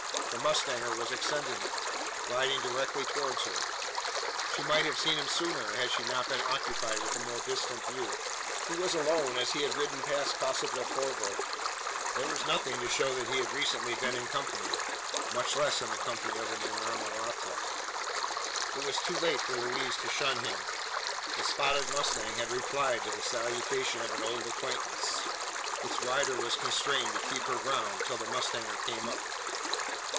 The mustanger was ascending it riding directly towards her. She might have seen him sooner, had she not been occupied with the more distant view. He was alone, as he had ridden past Casa del Corvo. There was nothing to show that he had recently been in company much less in the company of an inamorata. It was too late for Louise to shun him. The spotted mustang had replied to the salutation of an old acquaintance. Its rider was constrained to keep her ground, till the mustanger came up.